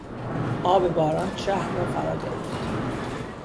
آب باران شهر را فراگرفت.